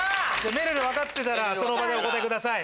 めるる分かってたらその場でお答えください。